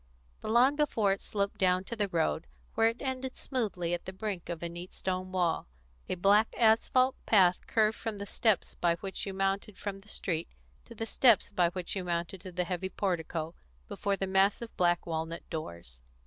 The lawn before it sloped down to the road, where it ended smoothly at the brink of a neat stone wall. A black asphalt path curved from the steps by which you mounted from the street to the steps by which you mounted to the heavy portico before the massive black walnut doors.